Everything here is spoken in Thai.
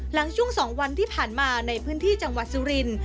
หลังช่วง๒วันที่ผ่านมาในพื้นที่จังหวัดสุรินทร์